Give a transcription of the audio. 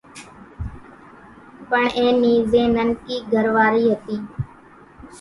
پڻ اين نِي زين ننڪي گھر واري ھتي